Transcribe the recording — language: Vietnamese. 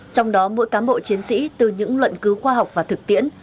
trong đó mỗi cán bộ chiến sĩ từ những luận cứu khoa học và thực tiễn